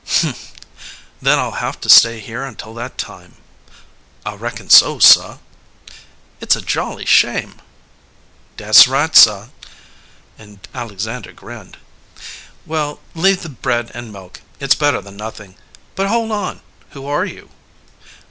"Humph! Then I'll have to stay here until that time." "I reckon so, sah." "It's a jolly shame." "Dat's right, sah," and Alexander grinned. "Well, leave the bread and milk. It's better than nothing. But hold on. Who are you?"